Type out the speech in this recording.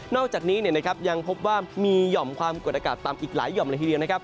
อกจากนี้ยังพบว่ามีหย่อมความกดอากาศต่ำอีกหลายห่อมเลยทีเดียวนะครับ